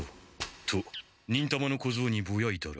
と忍たまの小僧にぼやいたら。